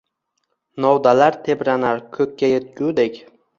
Novdalar tebranar ko’kka yetgudek.